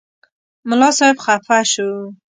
ملا صاحب خفه شو.